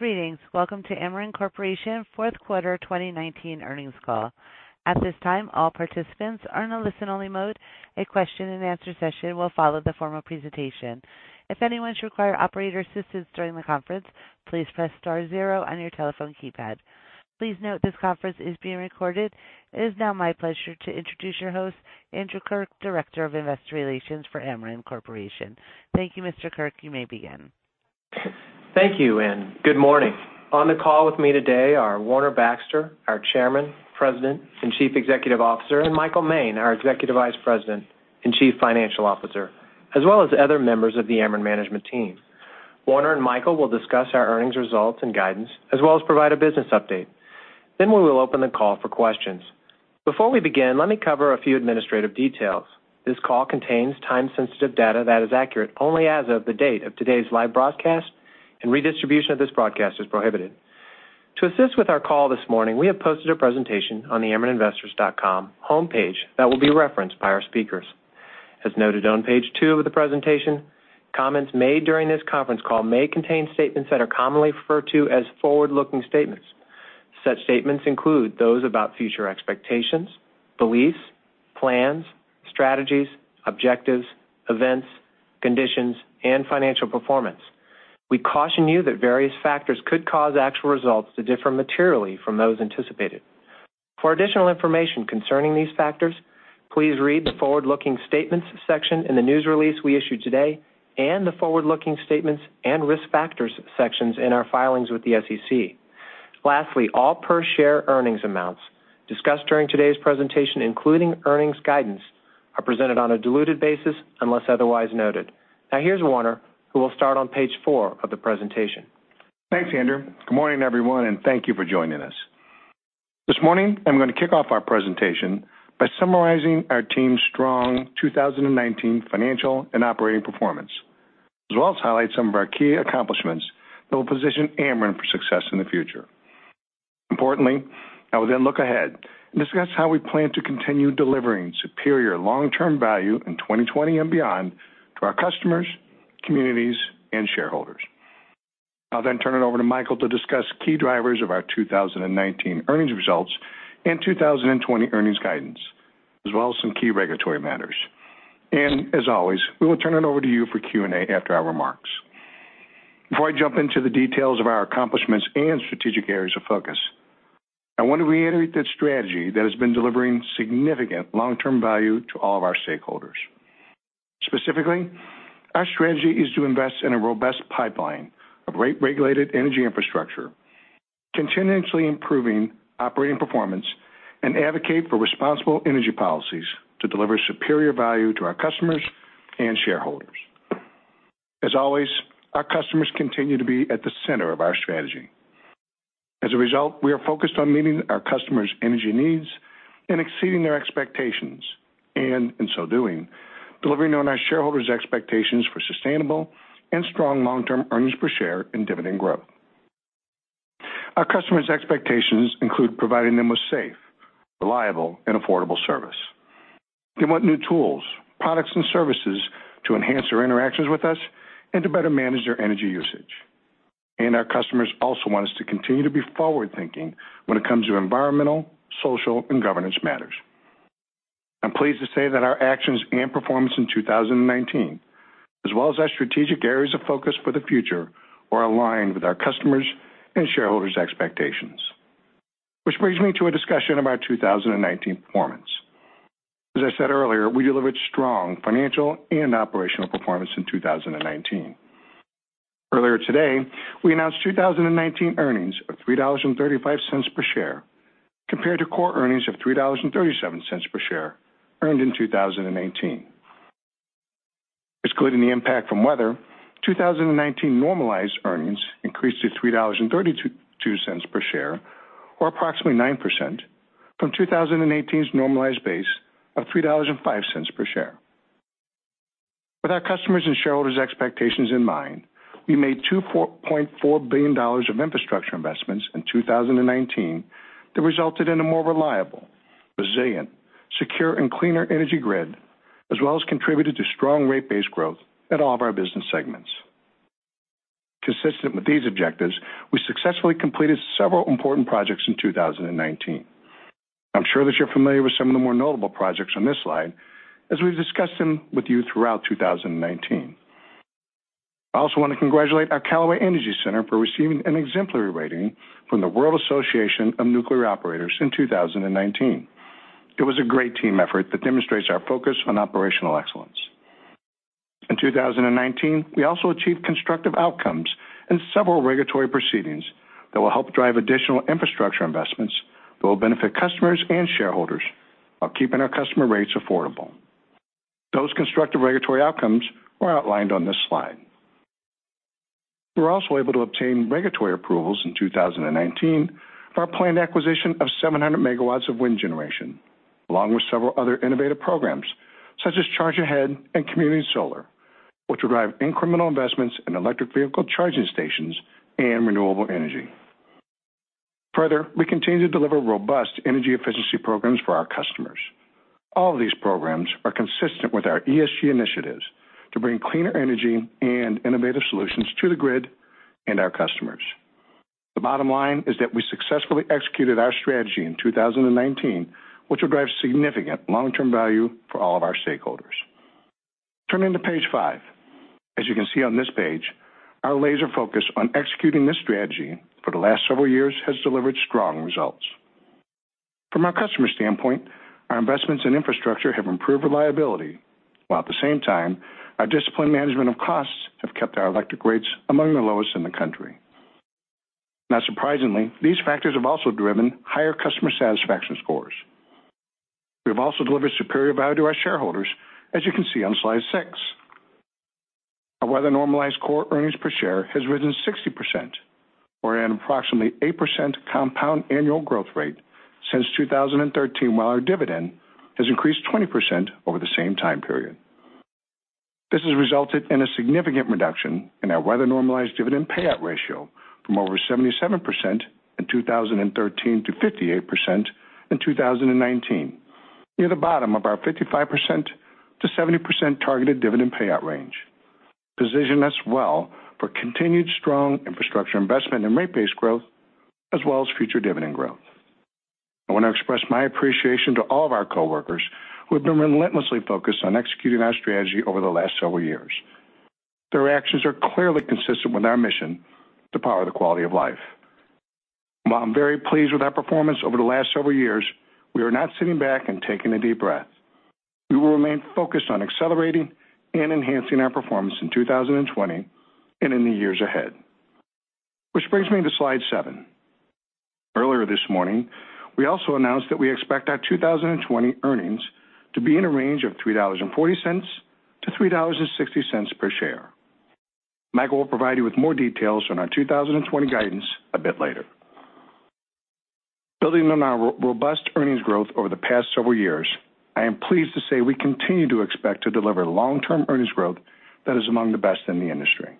Greetings. Welcome to Ameren Corporation fourth quarter 2019 earnings call. At this time, all participants are in a listen-only mode. A question-and-answer session will follow the formal presentation. If anyone should require operator assistance during the conference, please press star zero on your telephone keypad. Please note this conference is being recorded. It is now my pleasure to introduce your host, Andrew Kirk, Director of Investor Relations for Ameren Corporation. Thank you, Mr. Kirk. You may begin. Thank you. Good morning. On the call with me today are Warner Baxter, our Chairman, President, and Chief Executive Officer, and Michael Moehn, our Executive Vice President and Chief Financial Officer, as well as other members of the Ameren management team. Warner and Michael will discuss our earnings results and guidance, as well as provide a business update. We will open the call for questions. Before we begin, let me cover a few administrative details. This call contains time-sensitive data that is accurate only as of the date of today's live broadcast, and redistribution of this broadcast is prohibited. To assist with our call this morning, we have posted a presentation on the amereninvestors.com homepage that will be referenced by our speakers. As noted on page two of the presentation, comments made during this conference call may contain statements that are commonly referred to as forward-looking statements. Such statements include those about future expectations, beliefs, plans, strategies, objectives, events, conditions, and financial performance. We caution you that various factors could cause actual results to differ materially from those anticipated. For additional information concerning these factors, please read the Forward-Looking Statements section in the news release we issued today and the Forward-Looking Statements and Risk Factors sections in our filings with the SEC. Lastly, all per-share earnings amounts discussed during today's presentation, including earnings guidance, are presented on a diluted basis unless otherwise noted. Now here's Warner, who will start on page four of the presentation. Thanks, Andrew. Good morning, everyone, and thank you for joining us. This morning, I'm going to kick off our presentation by summarizing our team's strong 2019 financial and operating performance, as well as highlight some of our key accomplishments that will position Ameren for success in the future. Importantly, I will then look ahead and discuss how we plan to continue delivering superior long-term value in 2020 and beyond to our customers, communities, and shareholders. I'll then turn it over to Michael to discuss key drivers of our 2019 earnings results and 2020 earnings guidance, as well as some key regulatory matters. As always, we will turn it over to you for Q&A after our remarks. Before I jump into the details of our accomplishments and strategic areas of focus, I want to reiterate that strategy that has been delivering significant long-term value to all of our stakeholders. Specifically, our strategy is to invest in a robust pipeline of rate-regulated energy infrastructure, continuously improving operating performance, and advocate for responsible energy policies to deliver superior value to our customers and shareholders. As always, our customers continue to be at the center of our strategy. As a result, we are focused on meeting our customers' energy needs and exceeding their expectations. In so doing, delivering on our shareholders' expectations for sustainable and strong long-term earnings per share and dividend growth. Our customers' expectations include providing them with safe, reliable, and affordable service. They want new tools, products, and services to enhance their interactions with us and to better manage their energy usage. Our customers also want us to continue to be forward-thinking when it comes to environmental, social, and governance matters. I'm pleased to say that our actions and performance in 2019, as well as our strategic areas of focus for the future, are aligned with our customers' and shareholders' expectations. Which brings me to a discussion of our 2019 performance. As I said earlier, we delivered strong financial and operational performance in 2019. Earlier today, we announced 2019 earnings of $3.35 per share, compared to core earnings of $3.37 per share earned in 2018. Excluding the impact from weather, 2019 normalized earnings increased to $3.32 per share or approximately 9% from 2018's normalized base of $3.05 per share. With our customers' and shareholders' expectations in mind, we made $2.4 billion of infrastructure investments in 2019 that resulted in a more reliable, resilient, secure, and cleaner energy grid, as well as contributed to strong rate base growth at all of our business segments. Consistent with these objectives, we successfully completed several important projects in 2019. I'm sure that you're familiar with some of the more notable projects on this slide as we've discussed them with you throughout 2019. I also want to congratulate our Callaway Energy Center for receiving an exemplary rating from the World Association of Nuclear Operators in 2019. It was a great team effort that demonstrates our focus on operational excellence. In 2019, we also achieved constructive outcomes in several regulatory proceedings that will help drive additional infrastructure investments that will benefit customers and shareholders while keeping our customer rates affordable. Those constructive regulatory outcomes are outlined on this slide. We were also able to obtain regulatory approvals in 2019 for our planned acquisition of 700 MW of wind generation, along with several other innovative programs such as Charge Ahead and Community Solar, which will drive incremental investments in electric vehicle charging stations and renewable energy. We continue to deliver robust energy efficiency programs for our customers. All of these programs are consistent with our ESG initiatives to bring cleaner energy and innovative solutions to the grid and our customers. The bottom line is that we successfully executed our strategy in 2019, which will drive significant long-term value for all of our stakeholders. Turning to page five. As you can see on this page, our laser focus on executing this strategy for the last several years has delivered strong results. From a customer standpoint, our investments in infrastructure have improved reliability, while at the same time, our disciplined management of costs have kept our electric rates among the lowest in the country. Not surprisingly, these factors have also driven higher customer satisfaction scores. We have also delivered superior value to our shareholders, as you can see on slide six. Our weather-normalized core earnings per share has risen 60% or at an approximately 8% compound annual growth rate since 2013, while our dividend has increased 20% over the same time period. This has resulted in a significant reduction in our weather-normalized dividend payout ratio from over 77% in 2013 to 58% in 2019, near the bottom of our 55%-70% targeted dividend payout range. Position us well for continued strong infrastructure investment and rate base growth as well as future dividend growth. I want to express my appreciation to all of our coworkers who have been relentlessly focused on executing our strategy over the last several years. Their actions are clearly consistent with our mission to power the quality of life. While I'm very pleased with our performance over the last several years, we are not sitting back and taking a deep breath. We will remain focused on accelerating and enhancing our performance in 2020 and in the years ahead. Which brings me to slide seven. Earlier this morning, we also announced that we expect our 2020 earnings to be in a range of $3.40-$3.60 per share. Michael will provide you with more details on our 2020 guidance a bit later. Building on our robust earnings growth over the past several years, I am pleased to say we continue to expect to deliver long-term earnings growth that is among the best in the industry.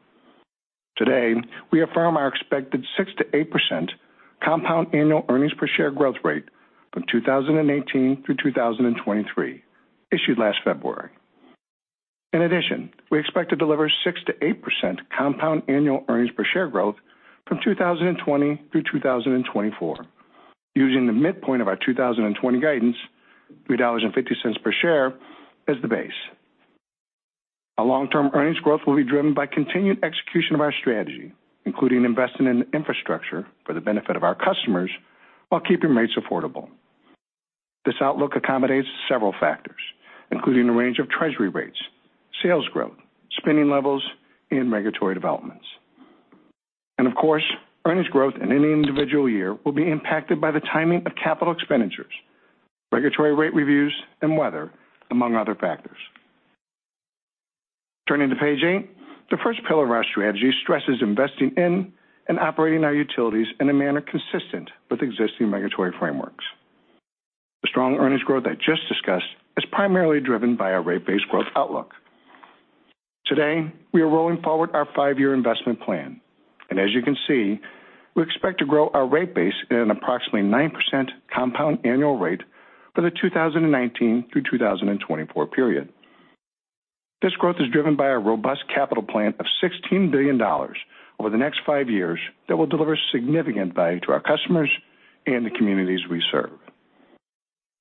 Today, we affirm our expected 6%-8% compound annual earnings per share growth rate from 2018 through 2023, issued last February. In addition, we expect to deliver 6%-8% compound annual earnings per share growth from 2020 through 2024 using the midpoint of our 2020 guidance, $3.50 per share as the base. Our long-term earnings growth will be driven by continued execution of our strategy, including investing in infrastructure for the benefit of our customers while keeping rates affordable. This outlook accommodates several factors, including the range of treasury rates, sales growth, spending levels, and regulatory developments. Of course, earnings growth in any individual year will be impacted by the timing of capital expenditures, regulatory rate reviews, and weather, among other factors. Turning to page eight. The first pillar of our strategy stresses investing in and operating our utilities in a manner consistent with existing regulatory frameworks. The strong earnings growth I just discussed is primarily driven by our rate base growth outlook. Today, we are rolling forward our five-year investment plan, and as you can see, we expect to grow our rate base at an approximately 9% compound annual rate for the 2019 through 2024 period. This growth is driven by a robust capital plan of $16 billion over the next five years that will deliver significant value to our customers and the communities we serve.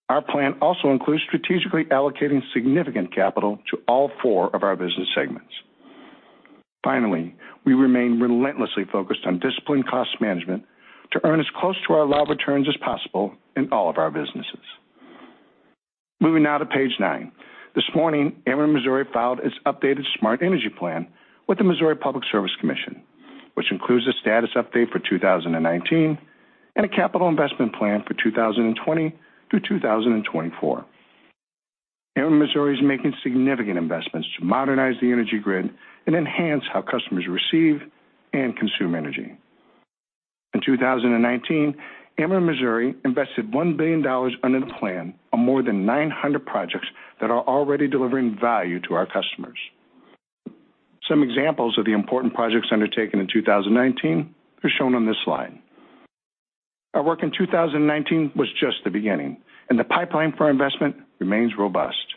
Our plan also includes strategically allocating significant capital to all four of our business segments. Finally, we remain relentlessly focused on disciplined cost management to earn as close to our allowed returns as possible in all of our businesses. Moving now to page nine. This morning, Ameren Missouri filed its updated Smart Energy Plan with the Missouri Public Service Commission, which includes a status update for 2019 and a capital investment plan for 2020 through 2024. Ameren Missouri is making significant investments to modernize the energy grid and enhance how customers receive and consume energy. In 2019, Ameren Missouri invested $1 billion under the plan on more than 900 projects that are already delivering value to our customers. Some examples of the important projects undertaken in 2019 are shown on this slide. Our work in 2019 was just the beginning, and the pipeline for investment remains robust.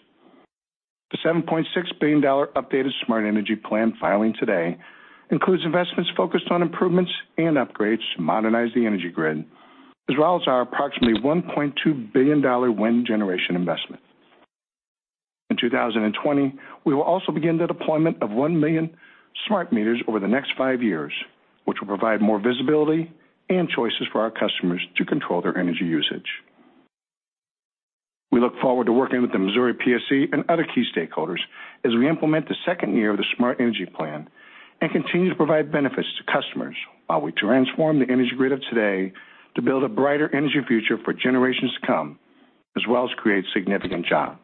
The $7.6 billion updated Smart Energy Plan filing today includes investments focused on improvements and upgrades to modernize the energy grid, as well as our approximately $1.2 billion wind generation investment. In 2020, we will also begin the deployment of 1 million smart meters over the next five years, which will provide more visibility and choices for our customers to control their energy usage. We look forward to working with the Missouri PSC and other key stakeholders as we implement the second year of the Smart Energy Plan and continue to provide benefits to customers while we transform the energy grid of today to build a brighter energy future for generations to come, as well as create significant jobs.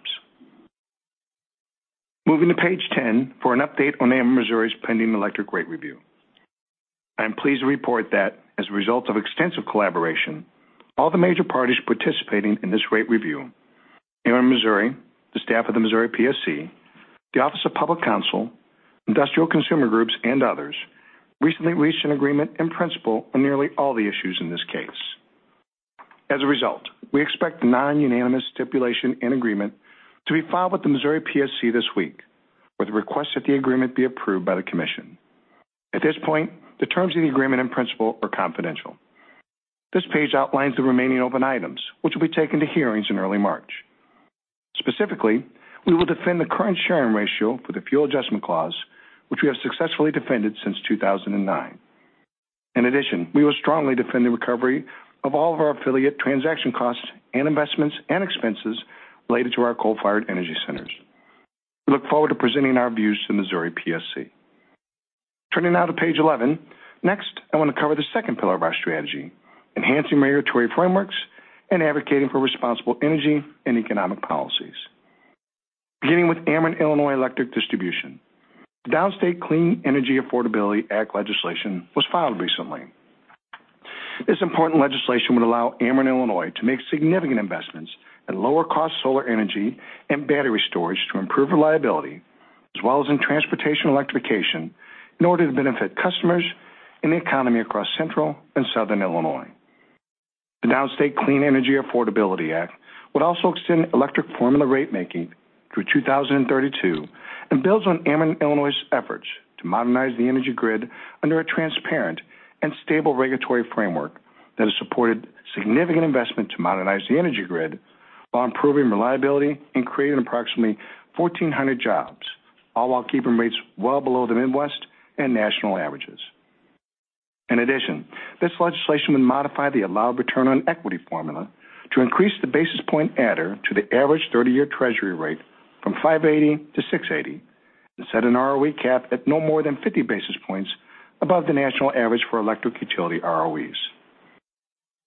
Moving to page 10 for an update on Ameren Missouri's pending electric rate review. I am pleased to report that as a result of extensive collaboration, all the major parties participating in this rate review Ameren Missouri, the staff of the Missouri PSC, the Office of Public Counsel, Industrial Consumer Groups, and others recently reached an agreement in principle on nearly all the issues in this case. As a result, we expect the non-unanimous stipulation and agreement to be filed with the Missouri PSC this week, with a request that the agreement be approved by the Commission. At this point, the terms of the agreement in principle are confidential. This page outlines the remaining open items, which will be taken to hearings in early March. Specifically, we will defend the current sharing ratio for the Fuel Adjustment Clause, which we have successfully defended since 2009. We will strongly defend the recovery of all of our affiliate transaction costs and investments and expenses related to our coal-fired energy centers. We look forward to presenting our views to the Missouri PSC. Turning now to page 11. I want to cover the second pillar of our strategy, enhancing regulatory frameworks and advocating for responsible energy and economic policies. Beginning with Ameren Illinois Electric Distribution. The Downstate Clean Energy Affordability Act legislation was filed recently. This important legislation would allow Ameren Illinois to make significant investments at lower cost solar energy and battery storage to improve reliability, as well as in transportation electrification in order to benefit customers and the economy across central and southern Illinois. The Downstate Clean Energy Affordability Act would also extend electric formula rate making through 2032 and builds on Ameren Illinois's efforts to modernize the energy grid under a transparent and stable regulatory framework that has supported significant investment to modernize the energy grid while improving reliability and creating approximately 1,400 jobs, all while keeping rates well below the Midwest and national averages. This legislation would modify the allowed return on equity formula to increase the basis point adder to the average 30-year Treasury rate from 580 to 680, and set an ROE cap at no more than 50 basis points above the national average for electric utility ROEs.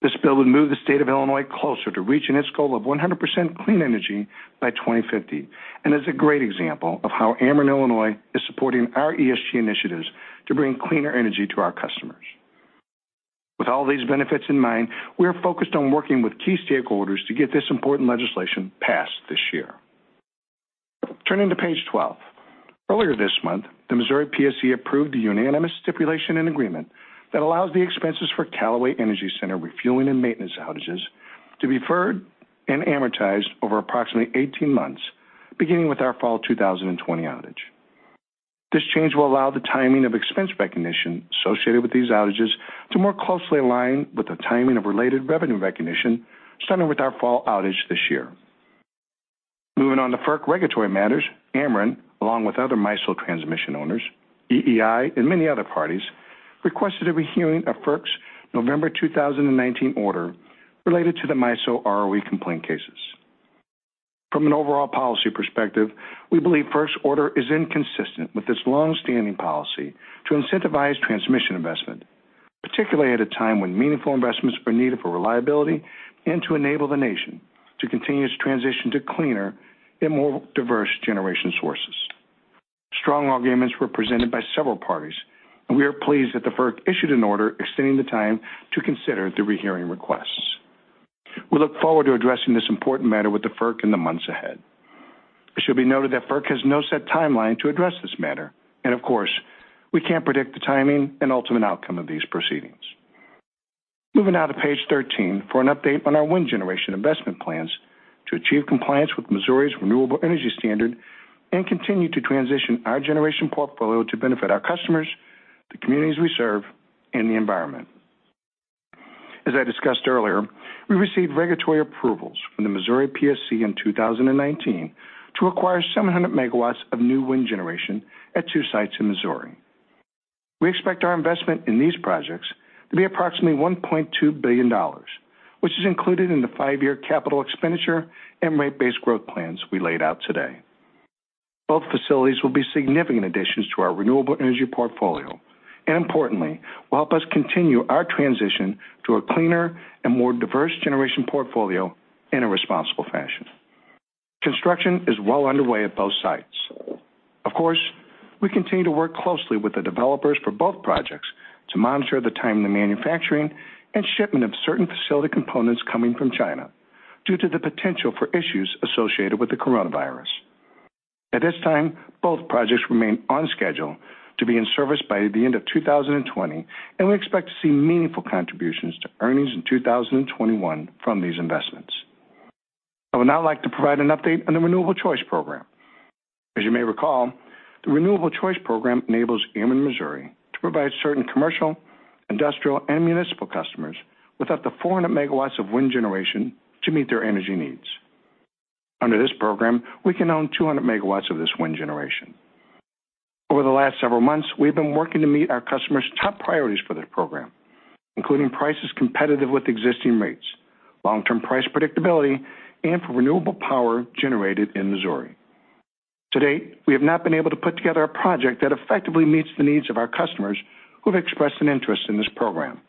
This bill would move the state of Illinois closer to reaching its goal of 100% clean energy by 2050, is a great example of how Ameren Illinois is supporting our ESG initiatives to bring cleaner energy to our customers. With all these benefits in mind, we are focused on working with key stakeholders to get this important legislation passed this year. Turning to page 12. Earlier this month, the Missouri PSC approved the unanimous stipulation and agreement that allows the expenses for Callaway Energy Center refueling and maintenance outages to be deferred and amortized over approximately 18 months, beginning with our fall 2020 outage. This change will allow the timing of expense recognition associated with these outages to more closely align with the timing of related revenue recognition, starting with our fall outage this year. Moving on to FERC regulatory matters. Ameren, along with other MISO transmission owners, EEI, and many other parties, requested a rehearing of FERC's November 2019 order related to the MISO ROE complaint cases. From an overall policy perspective, we believe FERC's order is inconsistent with this long-standing policy to incentivize transmission investment, particularly at a time when meaningful investments are needed for reliability and to enable the nation to continue to transition to cleaner and more diverse generation sources. We are pleased that the FERC issued an order extending the time to consider the rehearing requests. We look forward to addressing this important matter with the FERC in the months ahead. It should be noted that FERC has no set timeline to address this matter. Of course, we can't predict the timing and ultimate outcome of these proceedings. Moving now to page 13 for an update on our wind generation investment plans to achieve compliance with Missouri's Renewable Energy Standard and continue to transition our generation portfolio to benefit our customers, the communities we serve, and the environment. As I discussed earlier, we received regulatory approvals from the Missouri PSC in 2019 to acquire 700 MW of new wind generation at two sites in Missouri. We expect our investment in these projects to be approximately $1.2 billion, which is included in the five-year capital expenditure and rate base growth plans we laid out today. Importantly, both facilities will be significant additions to our renewable energy portfolio, and will help us continue our transition to a cleaner and more diverse generation portfolio in a responsible fashion. Construction is well underway at both sites. We continue to work closely with the developers for both projects to monitor the timing, the manufacturing, and shipment of certain facility components coming from China due to the potential for issues associated with the coronavirus. At this time, both projects remain on schedule to be in service by the end of 2020, and we expect to see meaningful contributions to earnings in 2021 from these investments. I would now like to provide an update on the Renewable Choice Program. As you may recall, the Renewable Choice Program enables Ameren Missouri to provide certain commercial, industrial, and municipal customers with up to 400 MW of wind generation to meet their energy needs. Under this program, we can own 200 MW of this wind generation. Over the last several months, we have been working to meet our customers' top priorities for this program, including prices competitive with existing rates, long-term price predictability, and for renewable power generated in Missouri. To date, we have not been able to put together a project that effectively meets the needs of our customers who have expressed an interest in this program.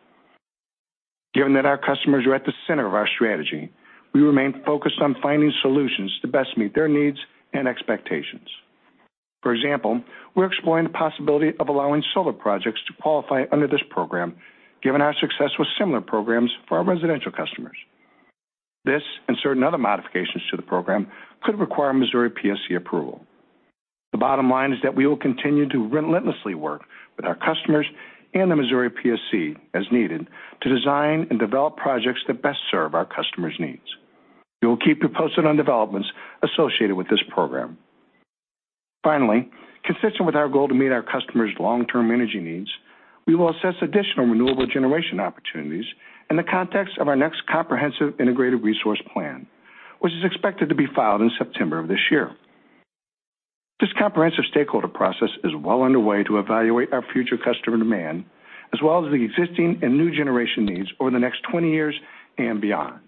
Given that our customers are at the center of our strategy, we remain focused on finding solutions to best meet their needs and expectations. For example, we're exploring the possibility of allowing solar projects to qualify under this program, given our success with similar programs for our residential customers. This and certain other modifications to the program could require Missouri PSC approval. The bottom line is that we will continue to relentlessly work with our customers and the Missouri PSC as needed to design and develop projects that best serve our customers' needs. We will keep you posted on developments associated with this program. Finally, consistent with our goal to meet our customers' long-term energy needs, we will assess additional renewable generation opportunities in the context of our next comprehensive integrated resource plan, which is expected to be filed in September of this year. This comprehensive stakeholder process is well underway to evaluate our future customer demand, as well as the existing and new generation needs over the next 20 years and beyond.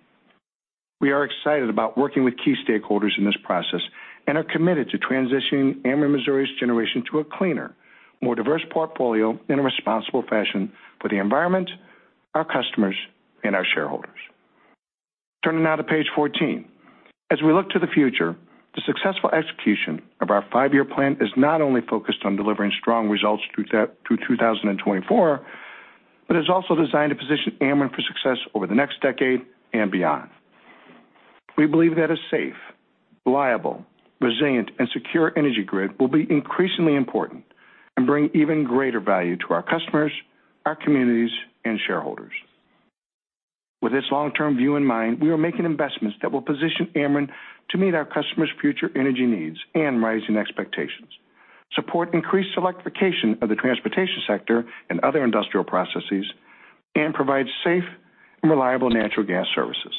We are excited about working with key stakeholders in this process and are committed to transitioning Ameren Missouri's generation to a cleaner, more diverse portfolio in a responsible fashion for the environment, our customers, and our shareholders. Turning now to page 14. As we look to the future, the successful execution of our five-year plan is not only focused on delivering strong results through 2024, but is also designed to position Ameren for success over the next decade and beyond. We believe that a safe, reliable, resilient, and secure energy grid will be increasingly important and bring even greater value to our customers, our communities, and shareholders. With this long-term view in mind, we are making investments that will position Ameren to meet our customers' future energy needs and rising expectations, support increased electrification of the transportation sector and other industrial processes, and provide safe and reliable natural gas services.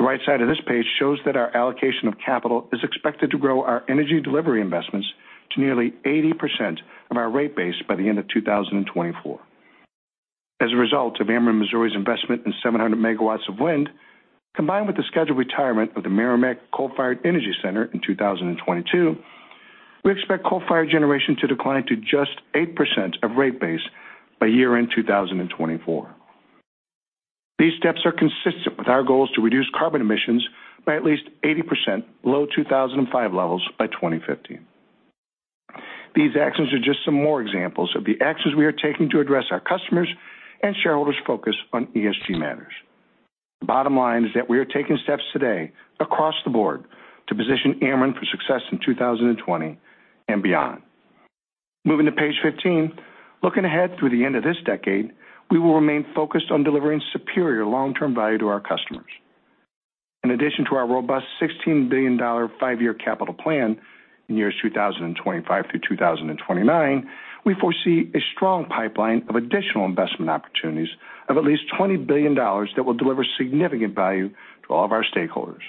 The right side of this page shows that our allocation of capital is expected to grow our energy delivery investments to nearly 80% of our rate base by the end of 2024. As a result of Ameren Missouri's investment in 700 MW of wind, combined with the scheduled retirement of the Meramec Coal-Fired Energy Center in 2022, we expect coal-fired generation to decline to just 8% of rate base by year-end 2024. These steps are consistent with our goals to reduce carbon emissions by at least 80% below 2005 levels by 2050. These actions are just some more examples of the actions we are taking to address our customers' and shareholders' focus on ESG matters. The bottom line is that we are taking steps today across the board to position Ameren for success in 2020 and beyond. Moving to page 15, looking ahead through the end of this decade, we will remain focused on delivering superior long-term value to our customers. In addition to our robust $16 billion five-year capital plan in years 2025 through 2029, we foresee a strong pipeline of additional investment opportunities of at least $20 billion that will deliver significant value to all of our stakeholders.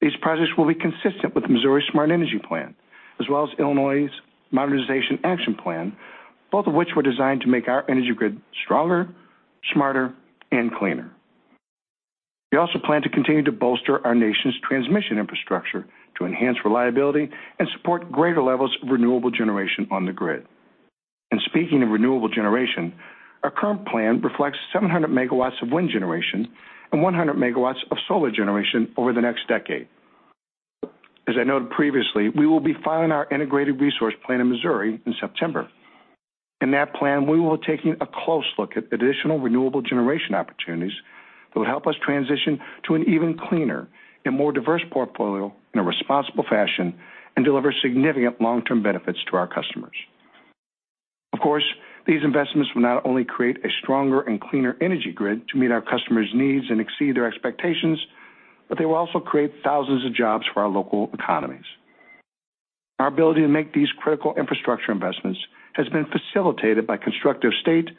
These projects will be consistent with the Missouri Smart Energy Plan, as well as Illinois' Modernization Action Plan, both of which were designed to make our energy grid stronger, smarter, and cleaner. We also plan to continue to bolster our nation's transmission infrastructure to enhance reliability and support greater levels of renewable generation on the grid. Speaking of renewable generation, our current plan reflects 700 MW of wind generation and 100 MW of solar generation over the next decade. As I noted previously, we will be filing our integrated resource plan in Missouri in September. In that plan, we will be taking a close look at additional renewable generation opportunities that would help us transition to an even cleaner and more diverse portfolio in a responsible fashion and deliver significant long-term benefits to our customers. Of course, these investments will not only create a stronger and cleaner energy grid to meet our customers' needs and exceed their expectations, but they will also create thousands of jobs for our local economies. Our ability to make these critical infrastructure investments has been facilitated by constructive state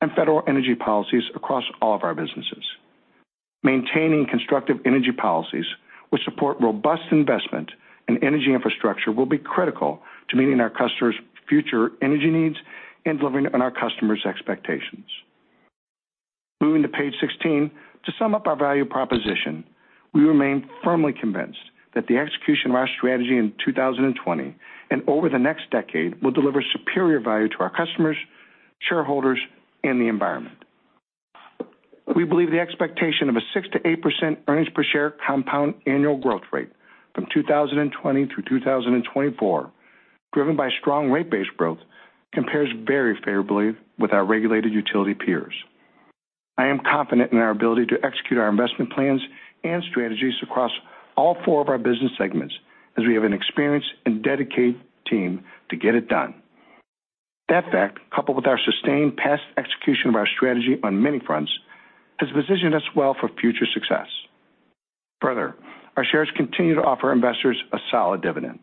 and federal energy policies across all of our businesses. Maintaining constructive energy policies which support robust investment in energy infrastructure will be critical to meeting our customers' future energy needs and delivering on our customers' expectations. Moving to page 16, to sum up our value proposition, we remain firmly convinced that the execution of our strategy in 2020 and over the next decade will deliver superior value to our customers, shareholders, and the environment. We believe the expectation of a 6%-8% earnings per share compound annual growth rate from 2020 through 2024, driven by strong rate base growth, compares very favorably with our regulated utility peers. I am confident in our ability to execute our investment plans and strategies across all four of our business segments as we have an experienced and dedicated team to get it done. That fact, coupled with our sustained past execution of our strategy on many fronts, has positioned us well for future success. Our shares continue to offer investors a solid dividend.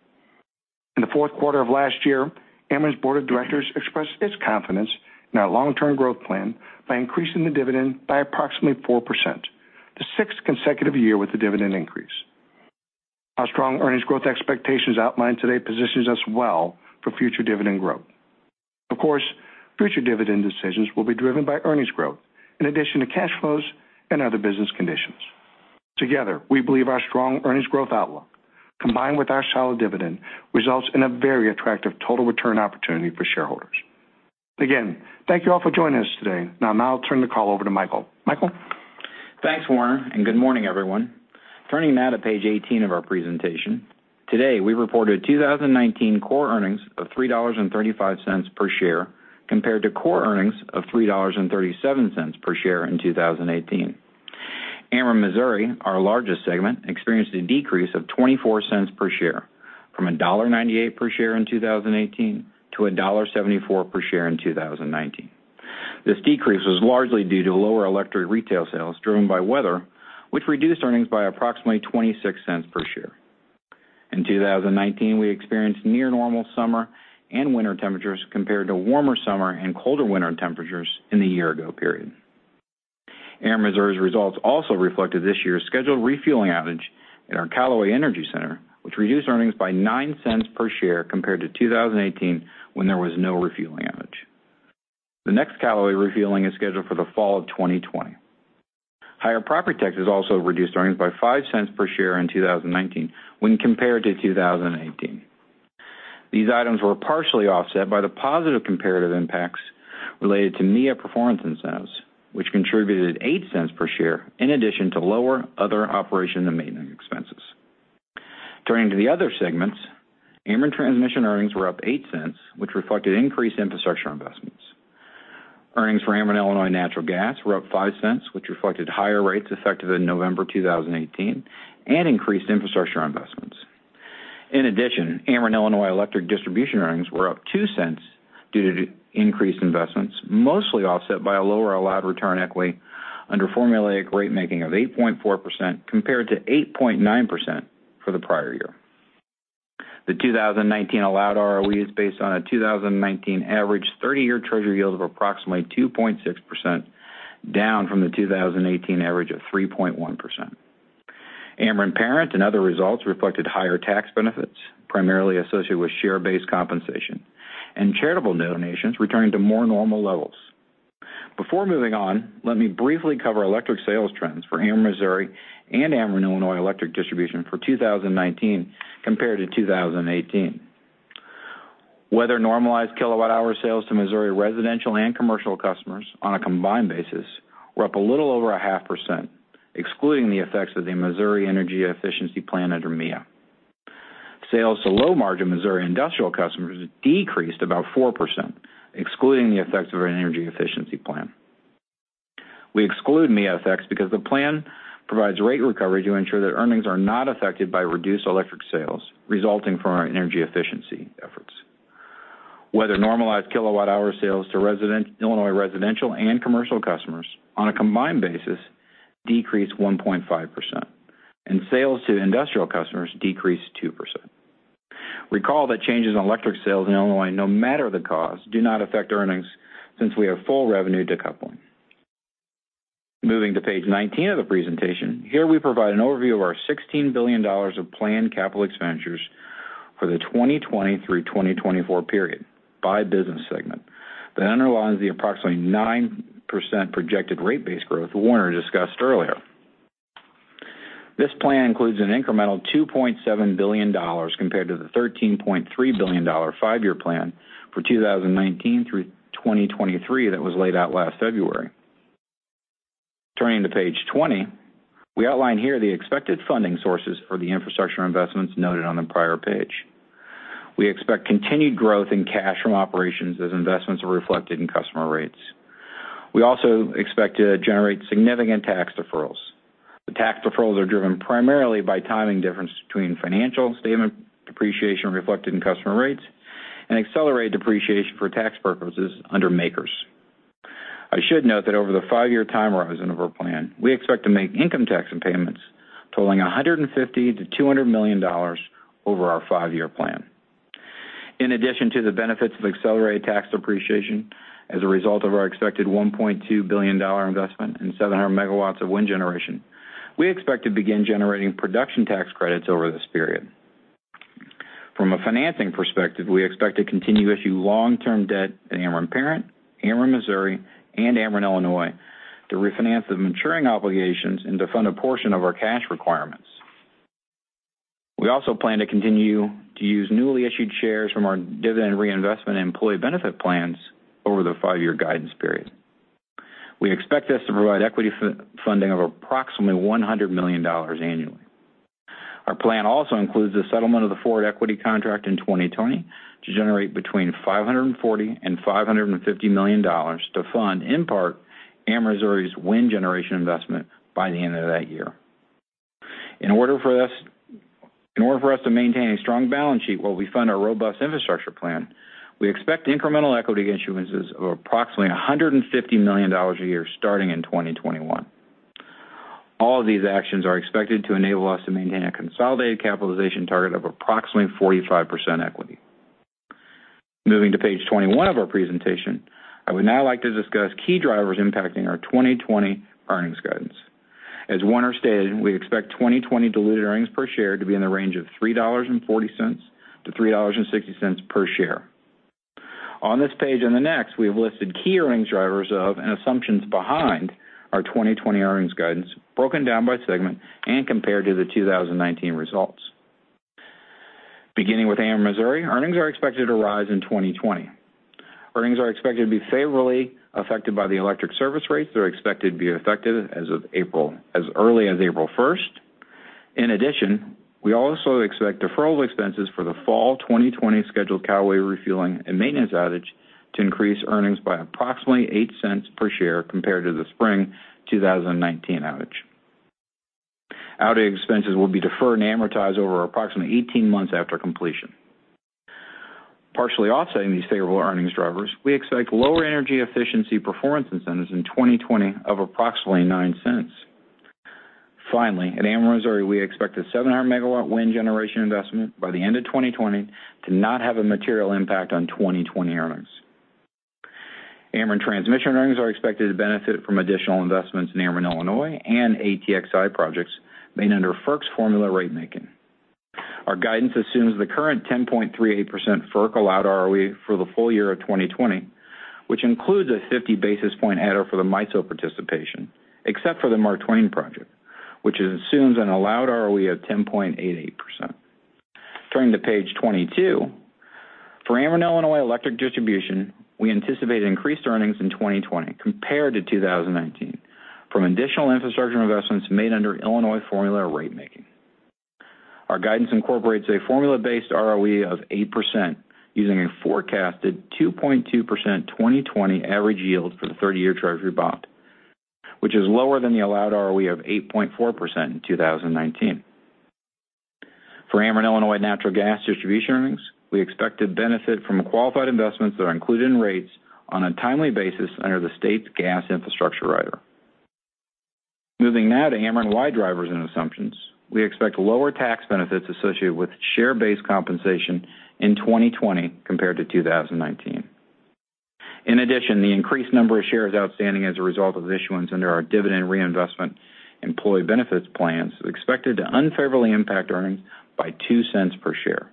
In the fourth quarter of last year, Ameren's board of directors expressed its confidence in our long-term growth plan by increasing the dividend by approximately 4%, the sixth consecutive year with a dividend increase. Our strong earnings growth expectations outlined today positions us well for future dividend growth. Future dividend decisions will be driven by earnings growth in addition to cash flows and other business conditions. Together, we believe our strong earnings growth outlook, combined with our solid dividend, results in a very attractive total return opportunity for shareholders. Thank you all for joining us today. I'll turn the call over to Michael. Michael? Thanks, Warner. Good morning, everyone. Turning now to page 18 of our presentation. Today, we reported 2019 core earnings of $3.35 per share compared to core earnings of $3.37 per share in 2018. Ameren Missouri, our largest segment, experienced a decrease of $0.24 per share from $1.98 per share in 2018 to $1.74 per share in 2019. This decrease was largely due to lower electric retail sales driven by weather, which reduced earnings by approximately $0.26 per share. In 2019, we experienced near normal summer and winter temperatures compared to warmer summer and colder winter temperatures in the year-ago period. Ameren Missouri's results also reflected this year's scheduled refueling outage at our Callaway Energy Center, which reduced earnings by $0.09 per share compared to 2018, when there was no refueling outage. The next Callaway refueling is scheduled for the fall of 2020. Higher property taxes also reduced earnings by $0.05 per share in 2019 when compared to 2018. These items were partially offset by the positive comparative impacts related to MEEIA performance incentives, which contributed $0.08 per share in addition to lower other operation and maintenance expenses. Turning to the other segments, Ameren Transmission earnings were up $0.08, which reflected increased infrastructure investments. Earnings for Ameren Illinois Natural Gas were up $0.05, which reflected higher rates effective in November 2018, and increased infrastructure investments. In addition, Ameren Illinois Electric Distribution earnings were up $0.02 due to increased investments, mostly offset by a lower allowed return equity under formula rate making of 8.4% compared to 8.9% for the prior year. The 2019 allowed ROE is based on a 2019 average 30-year Treasury yield of approximately 2.6%, down from the 2018 average of 3.1%. Ameren Parent and other results reflected higher tax benefits, primarily associated with share-based compensation and charitable donations returning to more normal levels. Before moving on, let me briefly cover electric sales trends for Ameren Missouri and Ameren Illinois Electric Distribution for 2019 compared to 2018. Weather-normalized kilowatt-hour sales to Missouri residential and commercial customers on a combined basis were up a little over 0.5%, excluding the effects of the Missouri Energy Efficiency Investment Act under MEEIA. Sales to low-margin Missouri industrial customers decreased about 4%, excluding the effects of our energy efficiency plan. We exclude MEEIA effects because the plan provides rate recovery to ensure that earnings are not affected by reduced electric sales resulting from our energy efficiency efforts. Weather-normalized kilowatt-hour sales to Illinois residential and commercial customers on a combined basis decreased 1.5%, and sales to industrial customers decreased 2%. Recall that changes in electric sales in Illinois, no matter the cause, do not affect earnings, since we have full revenue decoupling. Moving to page 19 of the presentation. Here we provide an overview of our $16 billion of planned capital expenditures for the 2020 through 2024 period by business segment that underlies the approximately 9% projected rate base growth Warner discussed earlier. This plan includes an incremental $2.7 billion compared to the $13.3 billion five-year plan for 2019 through 2023 that was laid out last February. Turning to page 20. We outline here the expected funding sources for the infrastructure investments noted on the prior page. We expect continued growth in cash from operations as investments are reflected in customer rates. We also expect to generate significant tax deferrals. The tax deferrals are driven primarily by timing difference between financial statement depreciation reflected in customer rates and accelerated depreciation for tax purposes under MACRS. I should note that over the five-year time horizon of our plan, we expect to make income tax payments totaling $150 million-$200 million over our five-year plan. In addition to the benefits of accelerated tax depreciation as a result of our expected $1.2 billion investment in 700 MW of wind generation, we expect to begin generating production tax credits over this period. From a financing perspective, we expect to continue to issue long-term debt at Ameren Parent, Ameren Missouri, and Ameren Illinois to refinance the maturing obligations and to fund a portion of our cash requirements. We also plan to continue to use newly issued shares from our dividend reinvestment and employee benefit plans over the five-year guidance period. We expect this to provide equity funding of approximately $100 million annually. Our plan also includes the settlement of the forward equity contract in 2020 to generate between $540 and $550 million to fund, in part, Ameren Missouri's wind generation investment by the end of that year. In order for us to maintain a strong balance sheet while we fund our robust infrastructure plan, we expect incremental equity issuances of approximately $150 million a year starting in 2021. All of these actions are expected to enable us to maintain a consolidated capitalization target of approximately 45% equity. Moving to page 21 of our presentation, I would now like to discuss key drivers impacting our 2020 earnings guidance. As Warner stated, we expect 2020 diluted earnings per share to be in the range of $3.40-$3.60 per share. On this page and the next, we have listed key earnings drivers of and assumptions behind our 2020 earnings guidance, broken down by segment and compared to the 2019 results. Beginning with Ameren Missouri, earnings are expected to rise in 2020. Earnings are expected to be favorably affected by the electric service rates that are expected to be effective as early as April 1st. In addition, we also expect deferral expenses for the Fall 2020 scheduled Callaway refueling and maintenance outage to increase earnings by approximately $0.08 per share compared to the Spring 2019 outage. Outage expenses will be deferred and amortized over approximately 18 months after completion. Partially offsetting these favorable earnings drivers, we expect lower energy efficiency performance incentives in 2020 of approximately $0.09. Finally, at Ameren Missouri, we expect a 700-MW wind generation investment by the end of 2020 to not have a material impact on 2020 earnings. Ameren Transmission earnings are expected to benefit from additional investments in Ameren Illinois and ATXI projects made under FERC's formula ratemaking. Our guidance assumes the current 10.38% FERC allowed ROE for the full year of 2020, which includes a 50-basis-point adder for the MISO participation, except for the Mark Twain project, which assumes an allowed ROE of 10.88%. Turning to page 22. For Ameren Illinois Electric Distribution, we anticipate increased earnings in 2020 compared to 2019 from additional infrastructure investments made under Illinois formula ratemaking. Our guidance incorporates a formula-based ROE of 8% using a forecasted 2.2% 2020 average yield for the 30-year Treasury bond, which is lower than the allowed ROE of 8.4% in 2019. For Ameren Illinois Natural Gas Distribution earnings, we expect to benefit from qualified investments that are included in rates on a timely basis under the state's Gas Infrastructure Rider. Moving now to Ameren-wide drivers and assumptions, we expect lower tax benefits associated with share-based compensation in 2020 compared to 2019. In addition, the increased number of shares outstanding as a result of issuance under our dividend reinvestment employee benefits plans is expected to unfavorably impact earnings by $0.02 per share.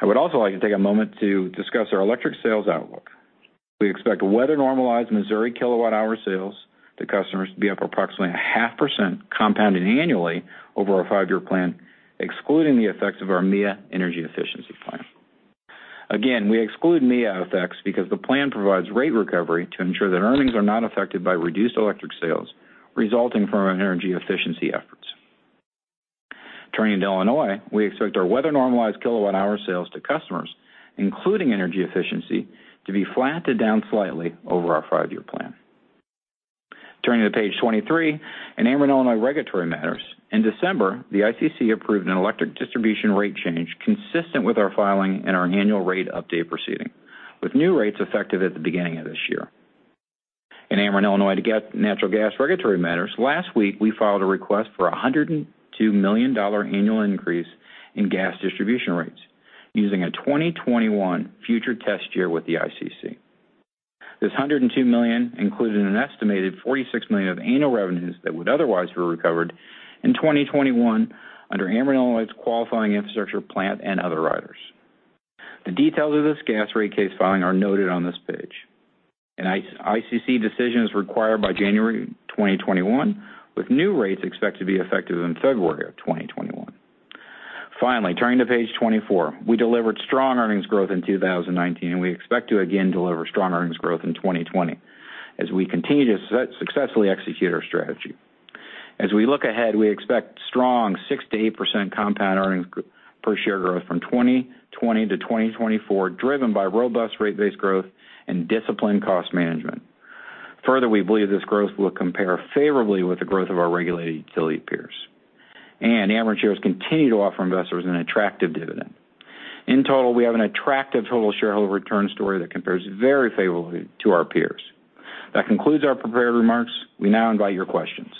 I would also like to take a moment to discuss our electric sales outlook. We expect weather-normalized Missouri kilowatt-hour sales to customers to be up approximately a half percent compounded annually over our five-year plan, excluding the effects of our MEEIA energy efficiency plan. Again, we exclude MEEIA effects because the plan provides rate recovery to ensure that earnings are not affected by reduced electric sales resulting from our energy efficiency efforts. Turning to Illinois, we expect our weather-normalized kilowatt-hour sales to customers, including energy efficiency, to be flat to down slightly over our five-year plan. Turning to page 23, in Ameren Illinois regulatory matters, in December, the ICC approved an electric distribution rate change consistent with our filing and our annual rate update proceeding, with new rates effective at the beginning of this year. In Ameren Illinois natural gas regulatory matters, last week, we filed a request for $102 million annual increase in gas distribution rates using a 2021 future test year with the ICC. This $102 million included an estimated $46 million of annual revenues that would otherwise be recovered in 2020 under Ameren Illinois' qualifying infrastructure, plant, and other riders. The details of this gas rate case filing are noted on this page. An ICC decision is required by January 2021, with new rates expected to be effective in February of 2021. Finally, turning to page 24. We delivered strong earnings growth in 2019, and we expect to again deliver strong earnings growth in 2020 as we continue to successfully execute our strategy. As we look ahead, we expect strong 6%-8% compound earnings per share growth from 2020 to 2024, driven by robust rate-based growth and disciplined cost management. Further, we believe this growth will compare favorably with the growth of our regulated utility peers. Ameren shares continue to offer investors an attractive dividend. In total, we have an attractive total shareholder return story that compares very favorably to our peers. That concludes our prepared remarks. We now invite your questions.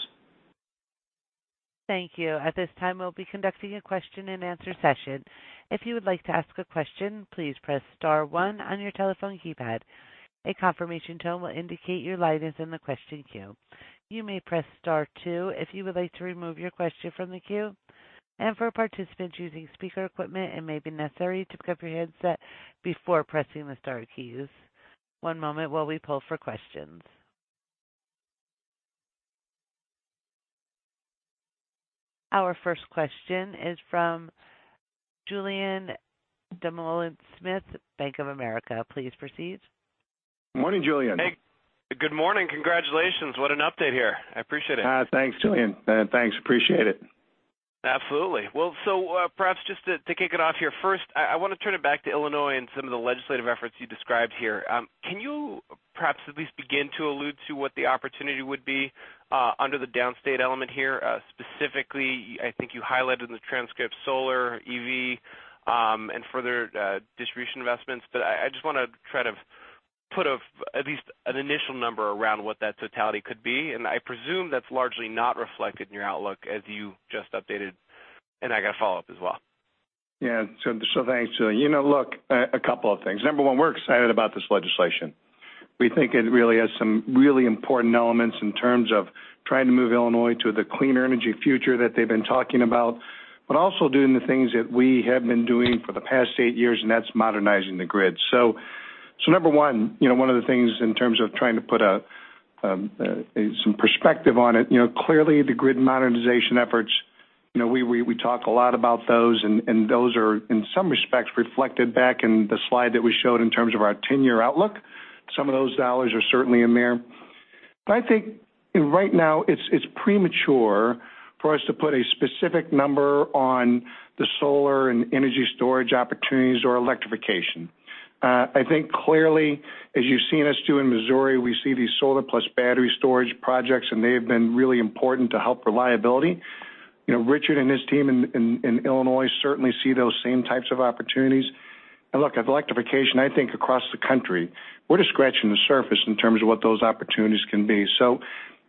Thank you. At this time, we'll be conducting a question-and-answer session. If you would like to ask a question, please press star one on your telephone keypad. A confirmation tone will indicate your line is in the question queue. You may press star two if you would like to remove your question from the queue. For participants using speaker equipment, it may be necessary to pick up your headset before pressing the star keys. One moment while we pull for questions. Our first question is from Julien Dumoulin-Smith, Bank of America. Please proceed. Morning, Julien. Hey. Good morning. Congratulations. What an update here. I appreciate it. Thanks, Julien. Thanks. Appreciate it. Absolutely. Perhaps just to kick it off here, first, I want to turn it back to Illinois and some of the legislative efforts you described here. Can you perhaps at least begin to allude to what the opportunity would be under the downstate element here? Specifically, I think you highlighted in the transcript solar, EV, and further distribution investments. I just want to try to put at least an initial number around what that totality could be. I presume that's largely not reflected in your outlook as you just updated, and I got a follow-up as well. Thanks, Julien. Look, a couple of things. Number one, we're excited about this legislation. We think it really has some really important elements in terms of trying to move Illinois to the cleaner energy future that they've been talking about, but also doing the things that we have been doing for the past eight years, and that's modernizing the grid. Number one of the things in terms of trying to put some perspective on it, clearly the grid modernization efforts, we talk a lot about those, and those are in some respects reflected back in the slide that we showed in terms of our 10-year outlook. Some of those dollars are certainly in there. I think right now it's premature for us to put a specific number on the solar and energy storage opportunities or electrification. I think clearly, as you've seen us do in Missouri, we see these solar plus battery storage projects, and they have been really important to help reliability. Richard and his team in Illinois certainly see those same types of opportunities. Look, at electrification, I think across the country, we're just scratching the surface in terms of what those opportunities can be.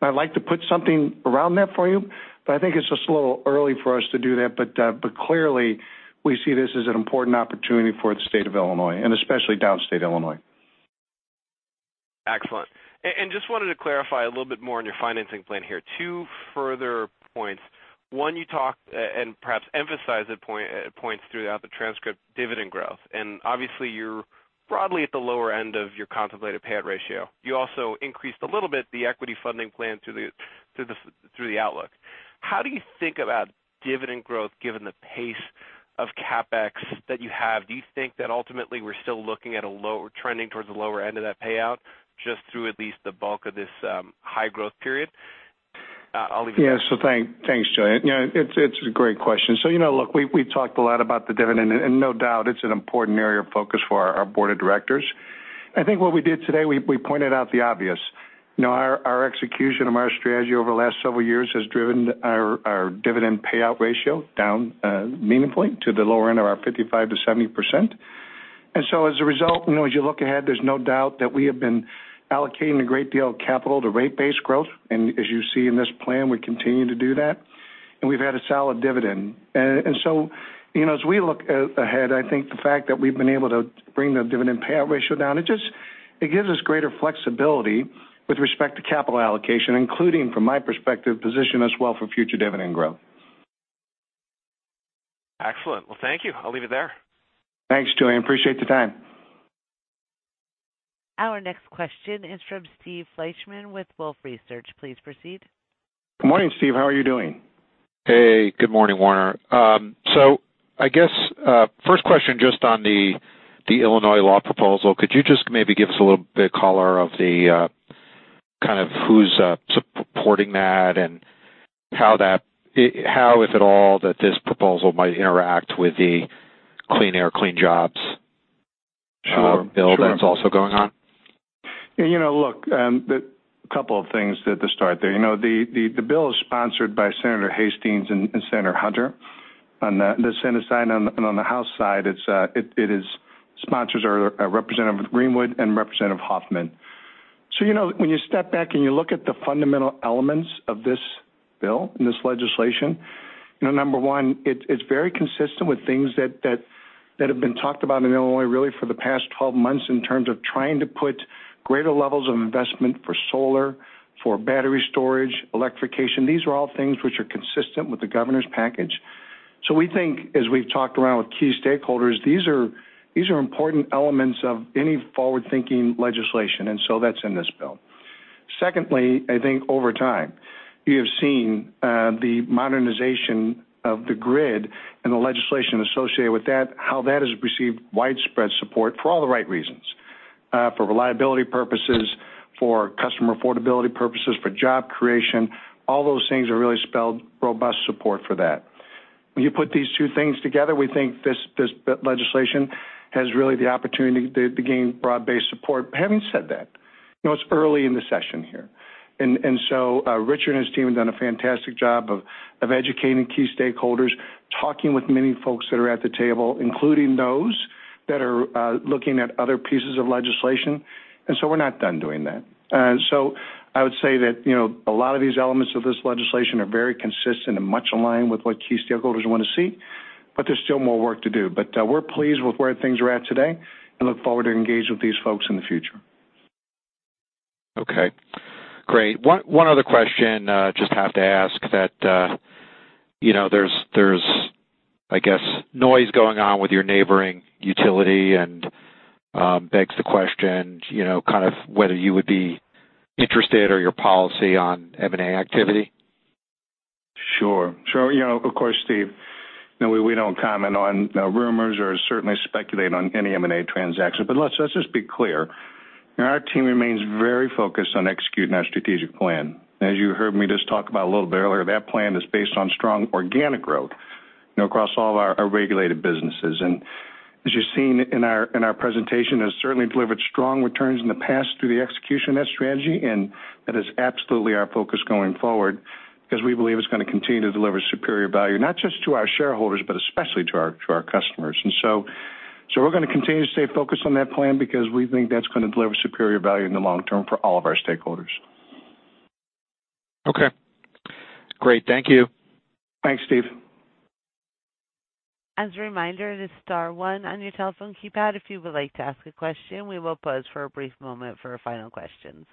I'd like to put something around that for you, but I think it's just a little early for us to do that. Clearly, we see this as an important opportunity for the state of Illinois, and especially downstate Illinois. Excellent. Just wanted to clarify a little bit more on your financing plan here. Two further points. One, you talked, perhaps emphasized at points throughout the transcript, dividend growth. Obviously you're broadly at the lower end of your contemplated payout ratio. You also increased a little bit the equity funding plan through the outlook. How do you think about dividend growth given the pace of CapEx that you have? Do you think that ultimately we're still looking at trending towards the lower end of that payout just through at least the bulk of this high growth period? I'll leave it there. Yeah. Thanks, Julien. It's a great question. Look, we've talked a lot about the dividend, and no doubt it's an important area of focus for our board of directors. I think what we did today, we pointed out the obvious. Our execution of our strategy over the last several years has driven our dividend payout ratio down meaningfully to the lower end of our 55%-70%. As a result, as you look ahead, there's no doubt that we have been allocating a great deal of capital to rate base growth. As you see in this plan, we continue to do that. We've had a solid dividend. As we look ahead, I think the fact that we've been able to bring the dividend payout ratio down, it gives us greater flexibility with respect to capital allocation, including, from my perspective, position us well for future dividend growth. Excellent. Well, thank you. I'll leave it there. Thanks, Joey. I appreciate the time. Our next question is from Steve Fleishman with Wolfe Research. Please proceed. Good morning, Steve. How are you doing? Hey, good morning, Warner. I guess, first question just on the Illinois law proposal. Could you just maybe give us a little bit of color of the kind of who's supporting that and how, if at all, that this proposal might interact with the Clean Air, Clean Jobs bill that's also going on? Sure. Look, a couple of things at the start there. The bill is sponsored by Senator Hastings and Senator Hunter on the Senate side, and on the House side, its sponsors are Representative Greenwood and Representative Hoffman. When you step back and you look at the fundamental elements of this bill and this legislation, number one, it's very consistent with things that have been talked about in Illinois really for the past 12 months in terms of trying to put greater levels of investment for solar, for battery storage, electrification. These are all things which are consistent with the governor's package. We think, as we've talked around with key stakeholders, these are important elements of any forward-thinking legislation, that's in this bill. Secondly, I think over time, you have seen the modernization of the grid and the legislation associated with that, how that has received widespread support for all the right reasons. For reliability purposes, for customer affordability purposes, for job creation. All those things have really spelled robust support for that. When you put these two things together, we think this legislation has really the opportunity to gain broad-based support. Having said that, it's early in the session here. Richard and his team have done a fantastic job of educating key stakeholders, talking with many folks that are at the table, including those that are looking at other pieces of legislation. We're not done doing that. I would say that a lot of these elements of this legislation are very consistent and much in line with what key stakeholders want to see, but there's still more work to do. We're pleased with where things are at today and look forward to engage with these folks in the future. Okay, great. One other question, just have to ask that there's, I guess, noise going on with your neighboring utility and begs the question kind of whether you would be interested or your policy on M&A activity. Sure. Of course, Steve, we don't comment on rumors or certainly speculate on any M&A transaction. Let's just be clear. Our team remains very focused on executing our strategic plan. As you heard me just talk about a little bit earlier, that plan is based on strong organic growth across all of our regulated businesses. As you've seen in our presentation, has certainly delivered strong returns in the past through the execution of that strategy, and that is absolutely our focus going forward because we believe it's going to continue to deliver superior value, not just to our shareholders, but especially to our customers. We're going to continue to stay focused on that plan because we think that's going to deliver superior value in the long term for all of our stakeholders. Okay, great. Thank you. Thanks, Steve. As a reminder, it is star one on your telephone keypad if you would like to ask a question. We will pause for a brief moment for our final questions.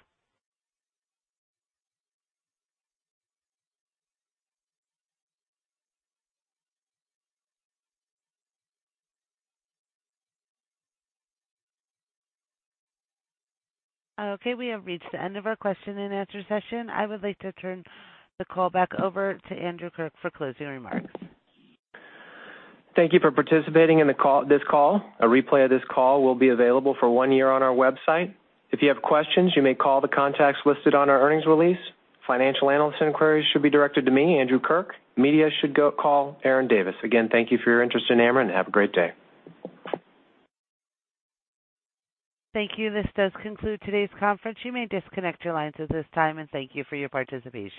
Okay, we have reached the end of our question-and-answer session. I would like to turn the call back over to Andrew Kirk for closing remarks. Thank you for participating in this call. A replay of this call will be available for one year on our website. If you have questions, you may call the contacts listed on our earnings release. Financial analyst inquiries should be directed to me, Andrew Kirk. Media should call Erin Davis. Again, thank you for your interest in Ameren. Have a great day. Thank you. This does conclude today's conference. You may disconnect your lines at this time, and thank you for your participation.